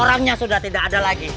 orangnya sudah tidak ada lagi